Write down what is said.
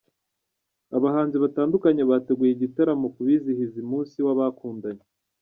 Abahanzi batandukanye bateguye igitaramo ku bizihiza umunsi w’abakundanye.